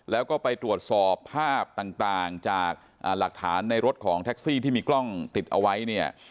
แล้วก็ไปตรวจสอบภาพต่างจากหลักฐานในรถของแท็กซี่ที่มีกล้องติดเอาไว้เนี่ย